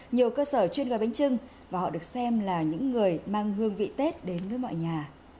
nhiều cơ sở chuyên gói bánh trưng và họ được xem là những người mang hương vị tết đến với mọi nhà